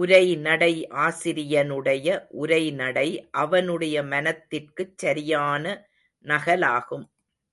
உரைநடை ஆசிரியனுடைய உரை நடை அவனுடைய மனத்திற்குச் சரியான நகலாகும்.